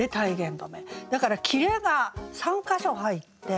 だから切れが３か所入って。